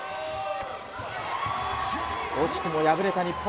惜しくも敗れた日本。